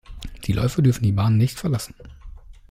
Die Läufer dürfen die Bahnen nicht verlassen.